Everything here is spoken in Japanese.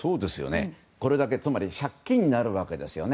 これだけ、つまり借金になるわけですね。